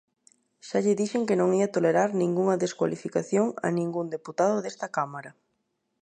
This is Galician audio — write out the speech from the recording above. Xa lle dixen que non ía tolerar ningunha descualificación a ningún deputado desta Cámara.